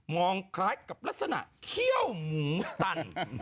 องคล้ายกับลักษณะเขี้ยวหมูตัน